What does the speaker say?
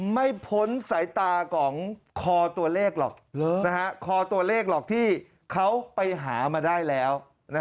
ไม่พ้นสายตากองคอตัวเลขหรอกที่เขาไปหามาได้แล้ว